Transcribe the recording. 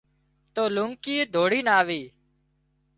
تو لونڪِي ڌوڙينَ آوي